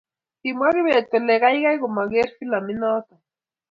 Kimwaa Kibet kole geigei komageer filamit noto